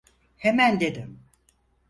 Hemen dedim!